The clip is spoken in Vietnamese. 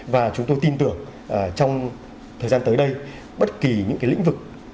và chúng tôi tin tưởng trong thời gian tới đây bất kỳ những cái lĩnh vực